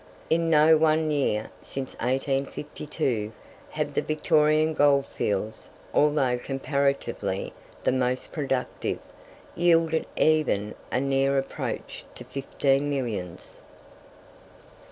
In no one year, since 1852, have the Victorian goldfields, although comparatively the most productive, yielded even a near approach to fifteen millions.